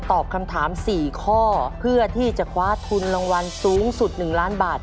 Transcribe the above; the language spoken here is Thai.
ตอบคำถาม๔ข้อเพื่อที่จะคว้าทุนรางวัลสูงสุด๑ล้านบาท